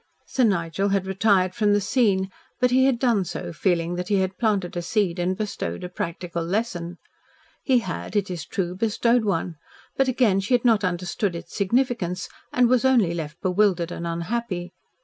Sir Nigel had retired from the scene, but he had done so feeling that he had planted a seed and bestowed a practical lesson. He had, it is true, bestowed one, but again she had not understood its significance and was only left bewildered and unhappy.